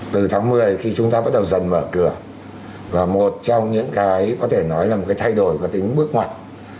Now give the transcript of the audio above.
từ tháng một mươi khi chúng ta bắt đầu dần mở cửa và một trong những cái có thể nói là một cái thay đổi có tính bước ngoặt